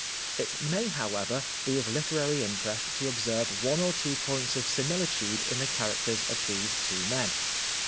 It may, however, be of literary interest to observe one or two points of similitude in the characters of these two men.